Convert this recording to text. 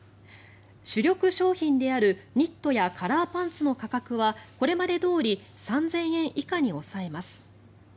主力商品であるニットやカラーパンツの価格はこれまでどおり３０００円以下に抑えます。